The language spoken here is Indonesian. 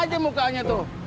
lihat aja mukanya tuh